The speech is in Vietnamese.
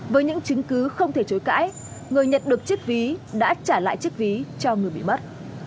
với những chứng cứ không thể chối cãi người nhận được chiếc ví đã trả lại chiếc ví cho người bị mất